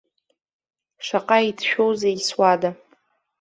Шаҟа иҭшәоузеи суада.